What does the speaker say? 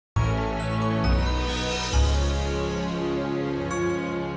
tidak ada ceritanya